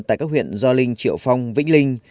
tại các huyện do linh triệu phong vĩnh linh